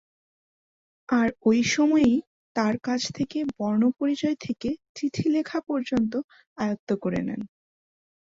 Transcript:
আর ওই সময়েই তার কাছ থেকে বর্ণপরিচয় থেকে চিঠি লেখা পর্যন্ত আয়ত্ত করে নেন।